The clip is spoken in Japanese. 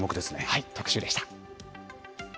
特集でした。